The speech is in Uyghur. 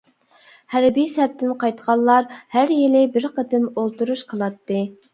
ھەربىي سەپتىن قايتقانلار ھەر يىلى بىر قېتىم ئولتۇرۇش قىلاتتى.